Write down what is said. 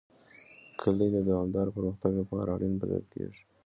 کلي د دوامداره پرمختګ لپاره اړین بلل کېږي.